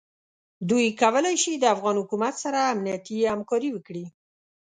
دوی کولای شي د افغان حکومت سره امنیتي همکاري وکړي.